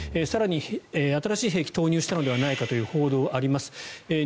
更に新しい兵器を投入したのではないかという報道があります。